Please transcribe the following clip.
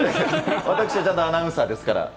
私はちゃんとアナウンサーですから。